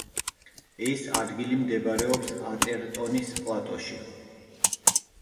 ეს ადგილი მდებარეობს ატერტონის პლატოში.